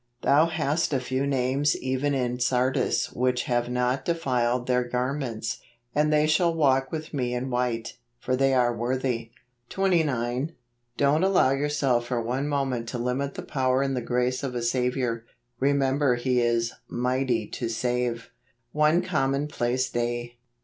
" Thou hast a few names even in Sardis which have not defiled their garments ; and they shall walk with me in white: for they are worthy ." 84 JULY. 20. Don't allow yourself for one moment to limit tlie power and the grace of a Saviour. Remember he is " mighty to save." One Commonplace Day.